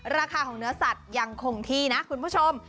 ราคาของเนื้อสัตว์ยังคงที่นะคุณผู้ชม